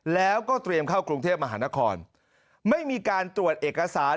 แล้วก็เตรียมเข้ากรุงเทพมหานครไม่มีการตรวจเอกสาร